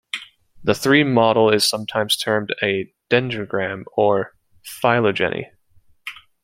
The tree model is sometimes termed a dendrogram or phylogeny.